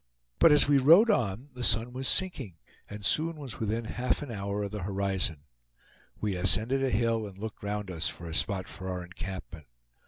But as we rode on, the sun was sinking, and soon was within half an hour of the horizon. We ascended a hill and looked round us for a spot for our encampment.